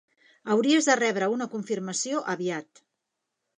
Hauries de rebre una confirmació aviat.